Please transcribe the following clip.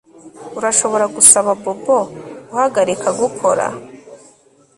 Urashobora gusaba Bobo guhagarika gukora